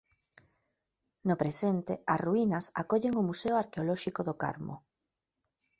No presente as ruínas acollen o Museo Arqueolóxico do Carmo.